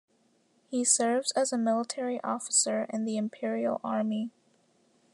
He serves as a military officer in the imperial army.